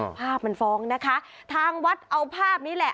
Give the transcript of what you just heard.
ภาพมันฟ้องนะคะทางวัดเอาภาพนี้แหละ